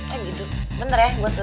eh gitu bentar ya gue turun